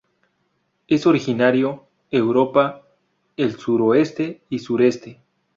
Es originario Europa: el suroeste y sureste.